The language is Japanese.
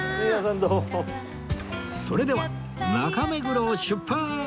それでは中目黒を出発